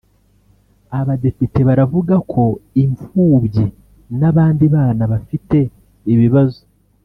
Abadepite baravuga ko impfubyi n’abandi bana bafite ibibazo